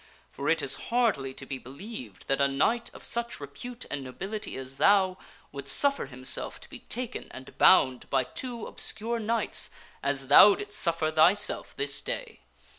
For it is hardly to be believed that a knight of Pellias ' such repute and nobility as thou would suffer himself to be taken and bound by two obscure knights as thou didst suffer thyself this day.